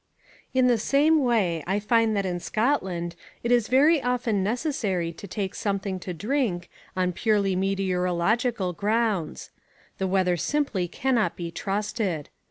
In the same way I find that in Scotland it is very often necessary to take something to drink on purely meteorological grounds. The weather simply cannot be trusted.